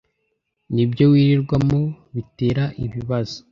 ni byo wirirwamo bitera ibibazo